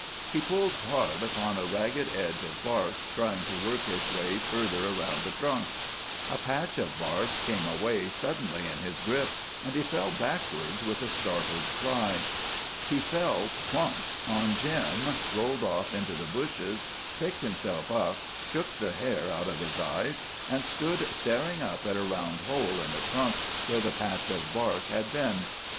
He pulled hard upon a ragged edge of bark, trying to work his way further around the trunk. A patch of bark came away suddenly in his grip and he fell backwards with a startled cry. He fell plump on Jim, rolled off into the bushes, picked himself up, shook the hair out of his eyes and stood staring up at a round hole in the trunk where the patch of bark had been.